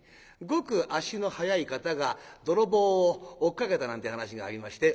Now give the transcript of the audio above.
ごく足の速い方が泥棒を追っかけたなんて噺がありまして。